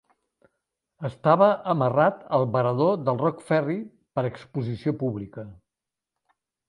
Estava amarrat al varador del Rock Ferry per a exposició pública.